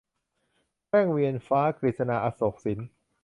เวียงแว่นฟ้า - กฤษณา อโศกสิน